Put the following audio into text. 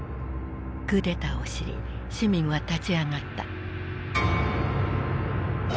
クーデターを知り市民は立ち上がった。